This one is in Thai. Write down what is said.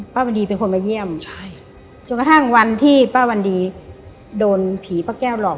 วันดีเป็นคนมาเยี่ยมใช่จนกระทั่งวันที่ป้าวันดีโดนผีป้าแก้วหลอก